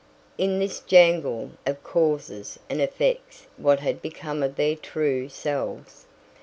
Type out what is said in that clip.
In this jangle of causes and effects what had become of their true selves?